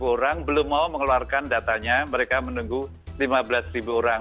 lima belas orang belum mau mengeluarkan datanya mereka menunggu lima belas orang